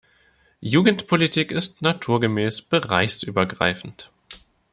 Jugendpolitik ist naturgemäß bereichsübergreifend.